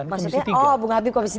maksudnya oh bung habib komisi tiga